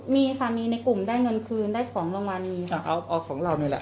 มีค่ะมีในกลุ่มได้เงินคืนได้ของรางวัลมีค่ะเอาเอาของเรานี่แหละ